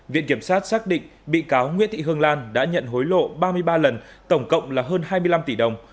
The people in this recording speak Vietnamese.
viện kiểm sát xác định bị cáo nguyễn thị hương lan đã nhận hối lộ ba mươi ba lần tổng cộng là hơn hai mươi năm tỷ đồng